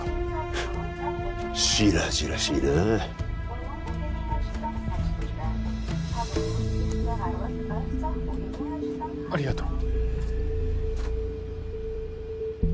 フッ白々しいなありがとう